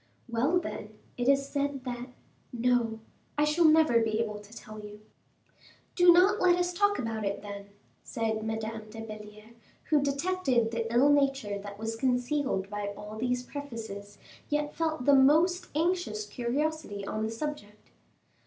"Well, then, it is said that no, I shall never be able to tell you." "Do not let us talk about it, then," said Madame de Belliere, who detected the ill nature that was concealed by all these prefaces, yet felt the most anxious curiosity on the subject.